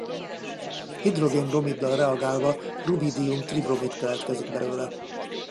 Hidrogén-bromiddal reagálva rubídium-tribromid keletkezik belőle.